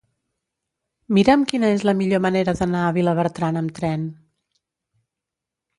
Mira'm quina és la millor manera d'anar a Vilabertran amb tren.